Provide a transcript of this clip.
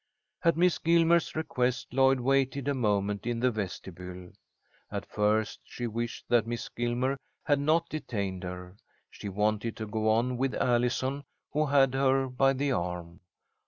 At Miss Gilmer's request, Lloyd waited a moment in the vestibule. At first she wished that Miss Gilmer had not detained her. She wanted to go on with Allison, who had her by the arm.